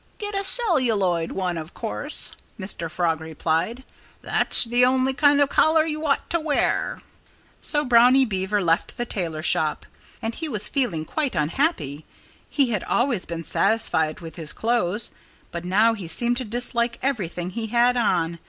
"Get a celluloid one, of course," Mr. Frog replied. "That's the only kind of collar you ought to wear." So Brownie Beaver left the tailor shop. And he was feeling quite unhappy. He had always been satisfied with his clothes. But now he began to dislike everything he had on.